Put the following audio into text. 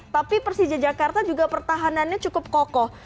tapi persija jakarta juga pertahanannya cukup kokoh